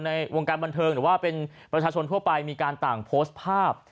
ในวงการบันเทิงหรือว่าเป็นประชาชนทั่วไปมีการต่างโพสต์ภาพ